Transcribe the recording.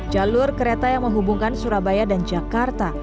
jalur kereta yang menghubungkan surabaya dan jakarta